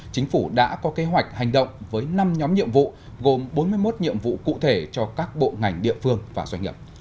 chính phủ đã có kế hoạch hành động với năm nhóm nhiệm vụ gồm bốn mươi một nhiệm vụ cụ thể cho các bộ ngành địa phương và doanh nghiệp